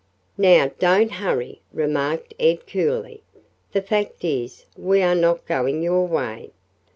"Now don't hurry," remarked Ed coolly. "The fact is, we are not going your way."